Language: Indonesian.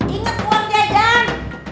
ingat buang dia jan